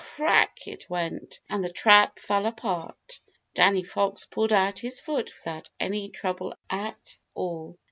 Crack! it went, and the trap fell apart. Danny Fox pulled out his foot without any trouble at all.